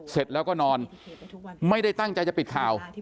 เสร็จแล้วก็นอนไม่ได้ตั้งใจจะปิดข่าว